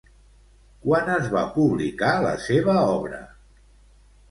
Quan es va publicar la seva obra?